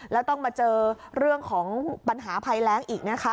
แล้วต้องมาเจอเรื่องของปัญหาภัยแรงอีกนะคะ